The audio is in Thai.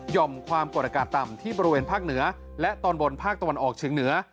่อมความกดอากาศต่ำที่บริเวณภาคเหนือและตอนบนภาคตะวันออกเฉียงเหนือ